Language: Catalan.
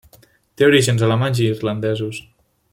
Té orígens alemanys i irlandesos.